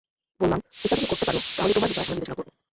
বললাম, এটা যদি বের করতে পারো, তাহলে তোমার বিষয় আমরা বিবেচনা করব।